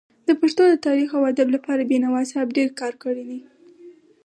د پښتو د تاريخ او ادب لپاره بينوا صاحب ډير کار کړی دی.